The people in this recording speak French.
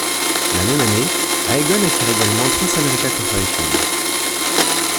La même année, Aegon acquiert également Transamerica Corporation.